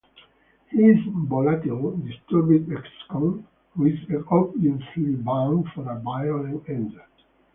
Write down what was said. He is a volatile, disturbed ex-con who is obviously bound for a violent end.